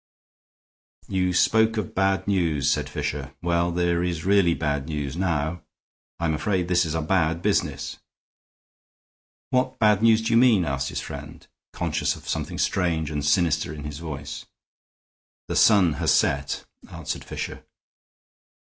"You spoke of bad news," said Fisher. "Well, there is really bad news now. I am afraid this is a bad business." "What bad news do you mean?" asked his friend, conscious of something strange and sinister in his voice. "The sun has set," answered Fisher.